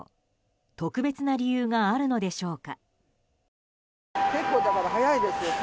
特別な理由があるのでしょうか。